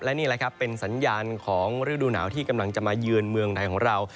และนี่แหละครับเป็นสัญญาณของฤดูหนาวที่กำลังจะมาเยือนเมืองไทยของเรา